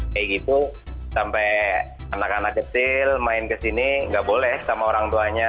kayak gitu sampai anak anak kecil main kesini nggak boleh sama orang tuanya